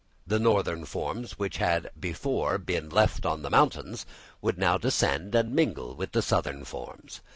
The northern forms which had before been left on the mountains would now descend and mingle with the southern forms.